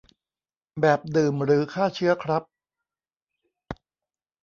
แบบดื่มหรือฆ่าเชื้อครับ